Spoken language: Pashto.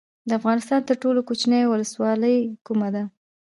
د افغانستان تر ټولو کوچنۍ ولسوالۍ کومه ده؟